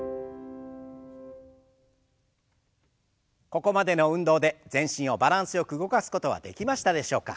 ここまでの運動で全身をバランスよく動かすことはできましたでしょうか。